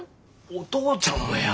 お父ちゃんもや。